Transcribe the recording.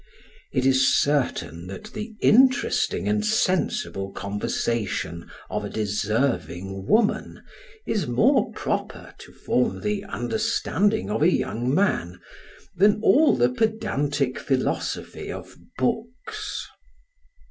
It is certain that the interesting and sensible conversation of a deserving woman is more proper to form the understanding of a young man than all the pedantic philosophy of books.